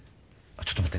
ちょっと待って。